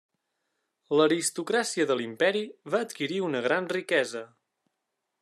L'aristocràcia de l'imperi va adquirir una gran riquesa.